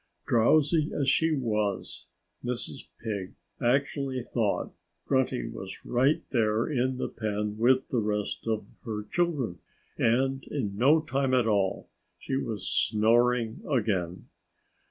Drowsy as she was, Mrs. Pig actually thought Grunty was right there in the pen with the rest of her children. And in no time at all she was snoring again.